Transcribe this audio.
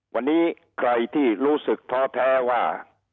วันนี้ใครที่รู้สึกท้อแท้ว่า